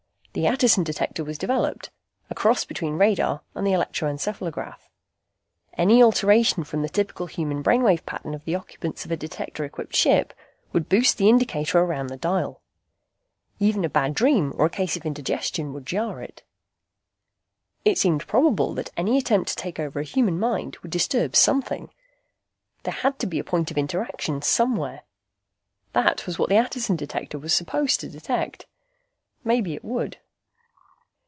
The Attison Detector was developed, a cross between radar and the electroencephalograph. Any alteration from the typical human brain wave pattern of the occupants of a Detector equipped ship would boost the indicator around the dial. Even a bad dream or a case of indigestion would jar it. It seemed probable that any attempt to take over a human mind would disturb something. There had to be a point of interaction, somewhere. That was what the Attison Detector was supposed to detect. Maybe it would.